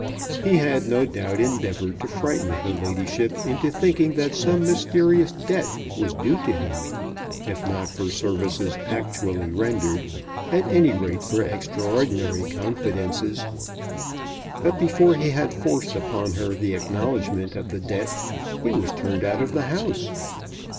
He had no doubt endeavoured to frighten her ladyship into thinking that some mysterious debt was due to him, if not for services actually rendered, at any rate for extraordinary confidences. But before he had forced upon her the acknowledgment of the debt, he was turned out of the house!